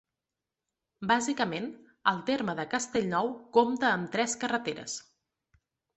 Bàsicament, el terme de Castellnou compta amb tres carreteres.